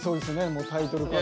もうタイトルから。